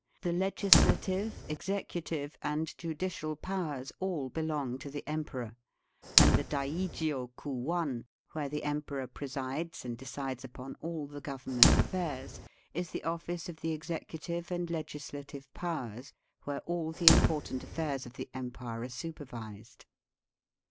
The legislative, executive, and judicial powers all belong to the emperor, and the Daijio Kuwan, where the emperor presides and decides upon all the Government affairs, is the office of the executive and legislative powers where all the important affairs of the empire are supervised.